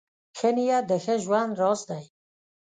ښه نیت د ښه ژوند راز دی .